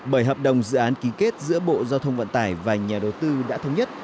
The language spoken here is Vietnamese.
bởi hợp đồng dự án ký kết giữa bộ giao thông vận tải và nhà đầu tư đã thống nhất